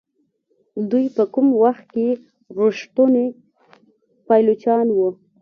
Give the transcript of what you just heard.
دوی په کوم وخت کې ریښتوني پایلوچان وو.